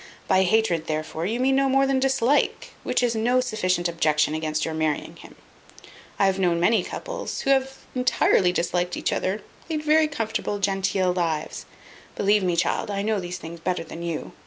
By hatred, therefore, you mean no more than dislike, which is no sufficient objection against your marrying of him. I have known many couples, who have entirely disliked each other, lead very comfortable genteel lives. Believe me, child, I know these things better than you.